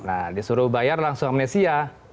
nah disuruh bayar langsung ke malaysia